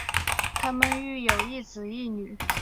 她们育有一子一女。